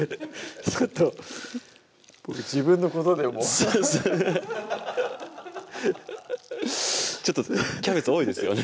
ちょっと僕自分のことでもうそうですねちょっとキャベツ多いですよね